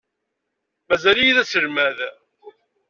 Mazal-iyi d aselmad.